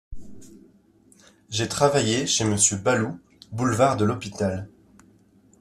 J’ai travaillé chez monsieur Baloup, boulevard de l’Hôpital.